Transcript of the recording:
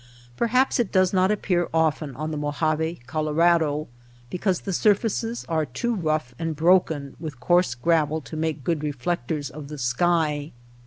Perhaps it does not appear often on the Mo jave Colorado because the surfaces are too rough and broken with coarse gravel to make good reflectors of the sky.